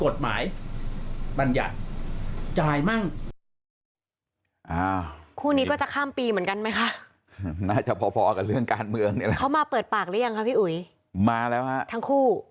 จ่ายมั่ง